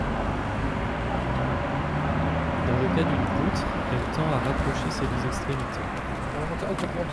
Dans le cas d'une poutre, elle tend à rapprocher ses deux extrémités.